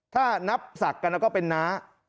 ถ้านับศักดิ์กันแล้วก็เป็นน้า